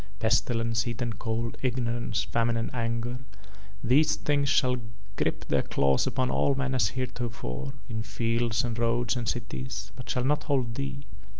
Pestilence, heat and cold, ignorance, famine and anger, these things shall grip their claws upon all men as heretofore in fields and roads and cities but shall not hold thee.